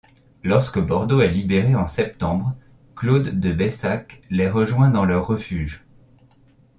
Lorsque Bordeaux est libérée en septembre, Claude de Baissac les rejoint dans leur refuge.